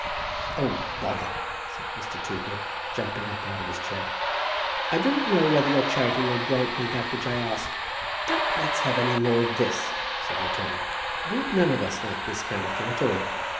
"Oh, bother!" said Mr. Toogood, jumping up out of his chair. "I do not know whether your charity will grant me that which I ask " "Don't let's have any more of this," said the attorney. "We none of us like this kind of thing at all.